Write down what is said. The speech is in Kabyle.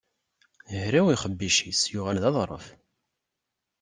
Hraw yixebbic-is yuɣal d aḍṛef.